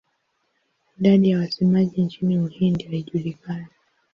Idadi ya wasemaji nchini Uhindi haijulikani.